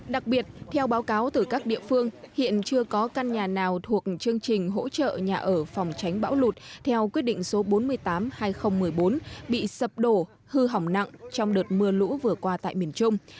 đặc biệt theo báo cáo từ các địa phương hiện chưa có căn nhà nào thuộc chương trình hỗ trợ nhà ở phòng tránh bão lụt theo quyết định số bốn mươi tám hai nghìn một mươi bốn bị sập đổ hư hỏng nặng trong đợt mưa lũ vừa qua tại miền trung